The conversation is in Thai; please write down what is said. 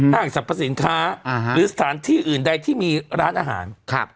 ห้างสรรพสินค้าหรือสถานที่อื่นใดที่มีร้านอาหาร